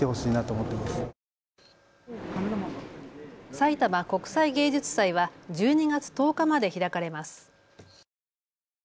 さいたま国際芸術祭は１２月１０日まで開かれます。